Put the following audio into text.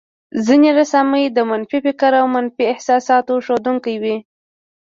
ځينې رسامۍ د منفي فکر او منفي احساساتو ښودونکې وې.